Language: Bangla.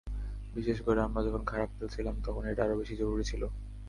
বিশেষ করে আমরা যখন খারাপ খেলছিলাম, তখন এটা আরও বেশি জরুরি ছিল।